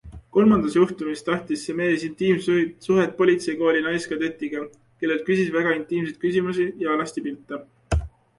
Kolmandas juhtumis tahtis see mees intiimsuhet politseikooli naiskadetiga, kellelt küsis väga intiimseid küsimusi ja alastipilte.